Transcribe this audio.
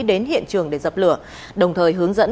đến hiện trường để dập lửa đồng thời hướng dẫn